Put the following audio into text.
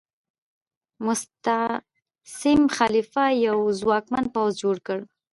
مستعصم خلیفه یو ځواکمن پوځ جوړ کړ.